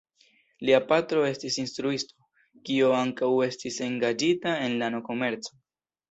Lia patro estis instruisto, kiu ankaŭ estis engaĝita en lano-komerco.